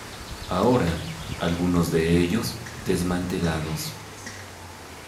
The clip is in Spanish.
Ahora, algunos de ellos desmantelados.